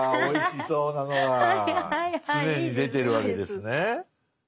常に出てるわけですね。